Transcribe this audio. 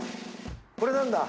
これなんだ。